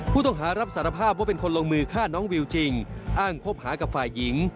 ผู้ต้องหารับสารภาพว่าเป็นคนลงมือฆ่าน้องวิวจริงอ้างคบหากับฝ่ายหญิง